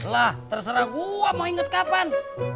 lah terserah gue mau inget kapan